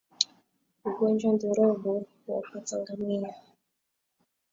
Ugonjwa ndorobo huwapata ngamia